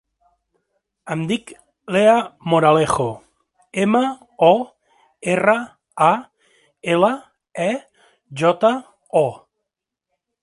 Em dic Leah Moralejo: ema, o, erra, a, ela, e, jota, o.